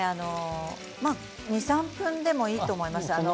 ２、３分でいいと思います。